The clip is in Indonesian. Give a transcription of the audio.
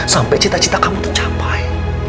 sampai cita cita kamu tercapai